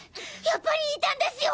やっぱりいたんですよ